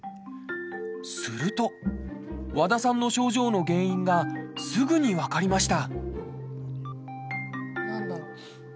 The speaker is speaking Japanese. すると、和田さんの症状の原因がすぐに分かりました。